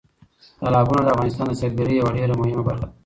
تالابونه د افغانستان د سیلګرۍ یوه ډېره مهمه برخه ده.